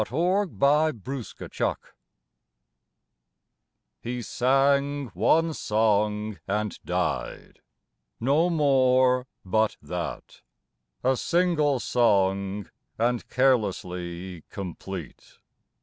THE SINGER OF ONE SONG He sang one song and died no more but that: A single song and carelessly complete.